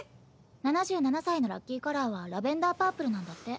７７歳のラッキーカラーはラベンダーパープルなんだって。